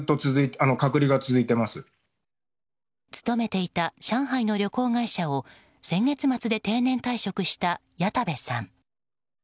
勤めていた上海の旅行会社を先月末で定年退職した矢田部さん。